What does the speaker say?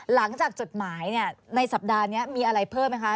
หลังจากจทไหมในสัปดาห์นี้มีอะไรเพิ่มไหมคะ